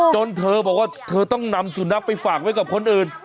จนเธอบอกว่าเธอต้องนำสุนัขไปฝากไว้กับคนอื่น